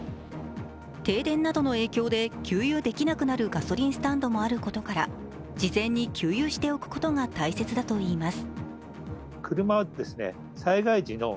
停電などの影響で給油できなくなるガソリンスタンドもあることから事前に給油しておくことが大切だといいます。